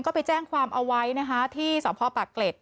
ก็ไปแจ้งความเอาไว้นะคะที่สพปากเกร็ด